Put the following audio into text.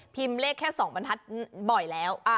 พิมพ์เลขแค่๒ประทัดบ่อยแล้ว